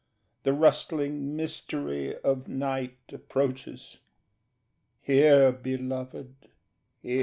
The rustling mystery Of night approaches hear, beloved, hear.